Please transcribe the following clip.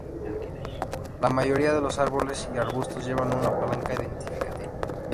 La mayoría de los árboles y arbustos llevan una placa identificativa.